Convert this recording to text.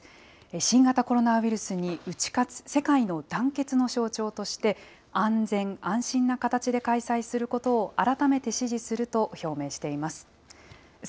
新型コロナウイルスに打ち勝つ、世界の団結の象徴として、安全安心な形で開催することを改めて支持すると表明しています。